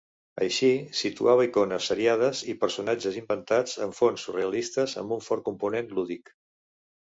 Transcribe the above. Així, situava icones seriades i personatges inventats en fons surrealistes amb un fort component lúdic.